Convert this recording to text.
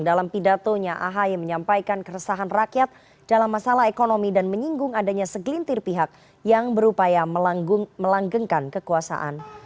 dalam pidatonya ahy menyampaikan keresahan rakyat dalam masalah ekonomi dan menyinggung adanya segelintir pihak yang berupaya melanggengkan kekuasaan